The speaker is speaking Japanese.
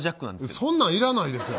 そんなんいらないですよ。